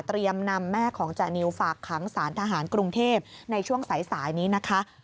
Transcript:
นำแม่ของจานิวฝากขังสารทหารกรุงเทพในช่วงสายนี้นะคะ